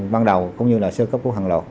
ban đầu cũng như sơ cấp cứu hàng lọt